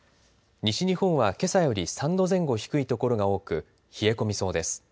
西日本はけさより３度前後低い所が多く冷え込みそうです。